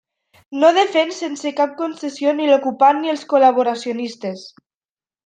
No defèn sense cap concessió ni l'ocupant ni els col·laboracionistes.